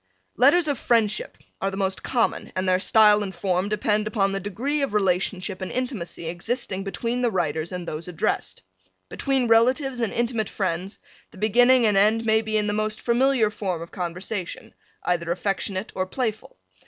Letters of friendship are the most common and their style and form depend upon the degree of relationship and intimacy existing between the writers and those addressed. Between relatives and intimate friends the beginning and end may be in the most familiar form of conversation, either affectionate or playful.